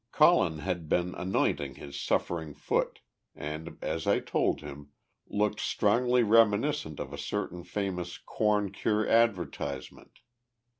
Colin had been anointing his suffering foot, and, as I told him, looked strongly reminiscent of a certain famous corn cure advertisement.